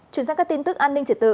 chuyển sang các tin tức an ninh trật tự